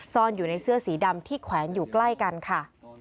ซ่อนอยู่ในเสื้อสีดำที่แขวนอยู่ใกล้กันค่ะ